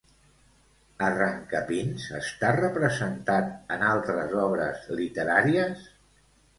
Arrancapins està representat en altres obres literàries?